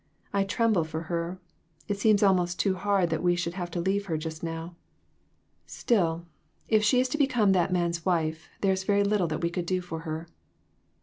I trem ble for her. It seems almost too hard that we should have to leave her just now. Still, if she is INTUITIONS. 411 to become that man's wife there is very little that we could do for her."